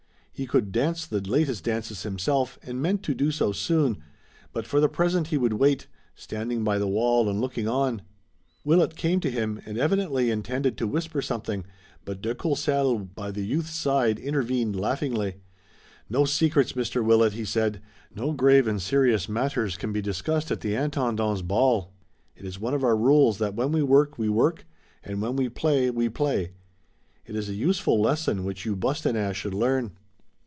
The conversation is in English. He could dance the latest dances himself, and meant to do so soon, but for the present he would wait, standing by the wall and looking on. Willet came to him, and evidently intended to whisper something, but de Courcelles, by the youth's side, intervened laughingly. "No secrets, Mr. Willet," he said. "No grave and serious matters can be discussed at the Intendant's ball. It is one of our rules that when we work we work and when we play we play. It is a useful lesson which you Bostonnais should learn."